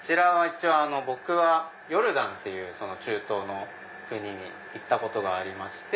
僕ヨルダンっていう中東の国に行ったことがありまして。